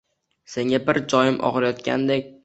— Senga, biror joyim og‘riyotgandek...